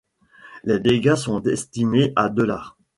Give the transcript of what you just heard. Les dégâts sont estimés à dollars.